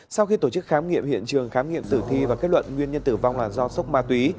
sau khi tổ chức khám nghiệm hiện trường khám nghiệm tử thi và kết luận nguyên nhân tử vong là do sốc ma túy